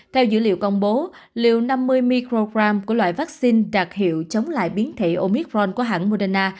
theo dữ liệu công bố liều năm mươi microgram của loại vaccine đặc hiệu chống lại biến thể omicron của hãng moderna